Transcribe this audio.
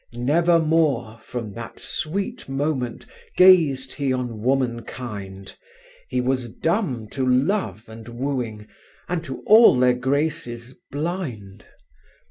"Never more—from that sweet moment— Gazéd he on womankind; He was dumb to love and wooing And to all their graces blind.